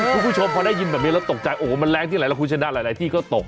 คุณผู้ชมพอได้ยินแบบนี้แล้วตกใจโอ้โหมันแรงที่ไหนแล้วคุณชนะหลายที่ก็ตก